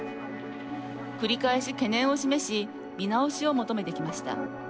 繰り返し懸念を示し見直しを求めてきました。